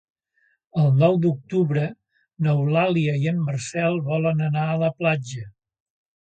El nou d'octubre n'Eulàlia i en Marcel volen anar a la platja.